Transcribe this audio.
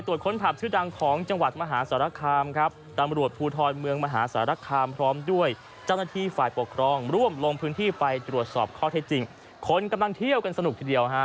ตำรวจบุกไว้เลยครับ